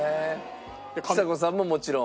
ちさ子さんももちろん。